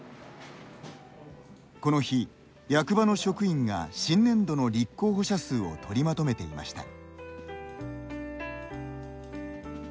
この日、役場の職員が新年度の立候補者数を取りまとめていました。